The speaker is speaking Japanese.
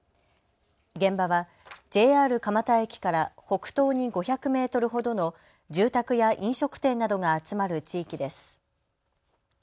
現場はＪＲ蒲田駅から北東に５００メートルほどの住宅や飲食店などが集まる地域です。